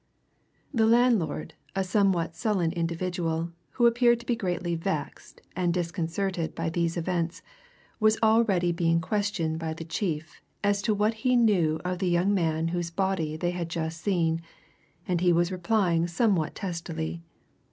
The landlord, a somewhat sullen individual, who appeared to be greatly vexed and disconcerted by these events, was already being questioned by the chief as to what he knew of the young man whose body they had just seen, and he was replying somewhat testily.